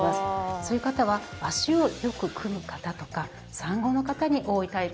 そういう方は足をよく組む方とか産後の方に多いタイプになります。